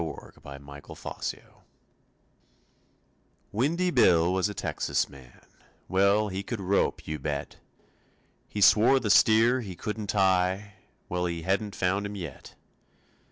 WINDY BILL Windy Bill was a Texas man, Well, he could rope, you bet. He swore the steer he couldn't tie, Well, he hadn't found him yet.